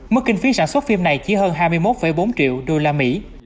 mức kinh phí sản xuất phim này chỉ hơn hai mươi một bốn triệu đô la mỹ